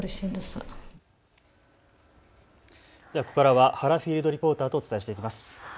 ここからは原フィールドリポーターとお伝えしていきます。